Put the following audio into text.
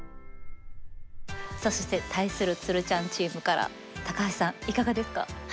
そして対するつるちゃんチームから橋さんいかがですか？